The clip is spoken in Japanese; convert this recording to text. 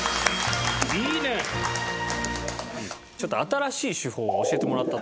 ちょっと新しい手法を教えてもらったっていう。